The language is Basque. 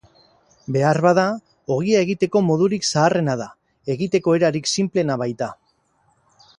Beharbada, ogia egiteko modurik zaharrena da, egiteko erarik sinpleena baita.